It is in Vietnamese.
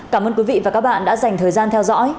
cảm ơn quý vị và các bạn đã dành thời gian theo dõi